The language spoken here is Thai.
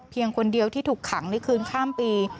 คนเดียวที่ถูกขังในคืนข้ามปี